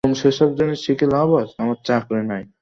আমি চাকরি চাই।